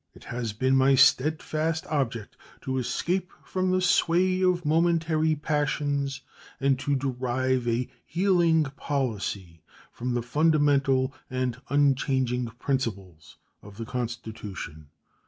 It has been my steadfast object to escape from the sway of momentary passions and to derive a healing policy from the fundamental and unchanging principles of the Constitution.